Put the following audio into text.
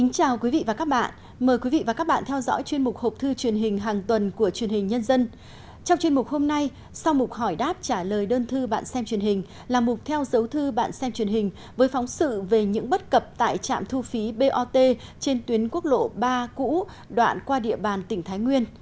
chào mừng quý vị đến với bộ phim hãy nhớ like share và đăng ký kênh của chúng mình nhé